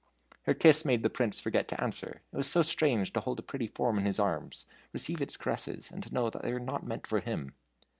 Her kiss made the Prince forget to answer. It was so strange to hold a pretty form in his arms, receive its caresses, and to know they were not meant for him.